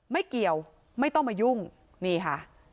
ไม่เกี่ยวไม่ต้องมายุ่งนี่ค่ะ